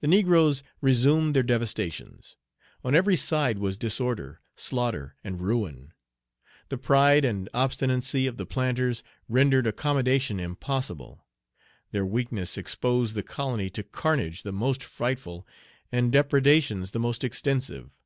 The negroes resumed their devastations. On every side was disorder, slaughter, and ruin. The pride and obstinacy of the planters rendered accommodation impossible; their weakness exposed the colony to carnage the most frightful, and depredations the most extensive.